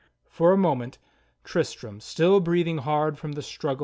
For a moment Tristram, still breathing hard from the struggle.